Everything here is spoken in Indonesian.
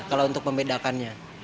kalau untuk membedakannya